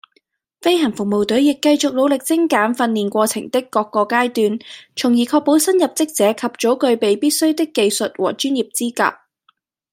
飛行服務隊亦繼續努力精簡訓練過程的各個階段，從而確保新入職者及早具備必需的技術和專業資格